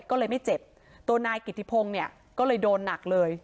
ก็เลยไม่เจ็บตัวนายกิติพงศ์เนี่ยก็เลยโดนหนักเลย